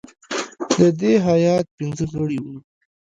د دې هیات پنځه غړي وه.